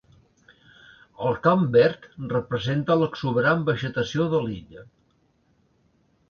El camp verd representa l'exuberant vegetació de l'illa.